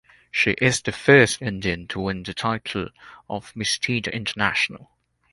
She is the first Indian to win the title of Miss Teen International.